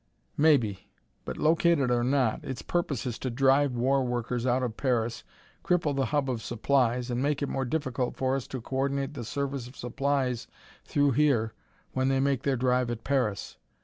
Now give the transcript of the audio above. "Maybe; but locate it or not, its purpose is to drive war workers out of Paris, cripple the hub of supplies and make it more difficult for us to coordinate the service of supplies through here when they make their drive at Paris.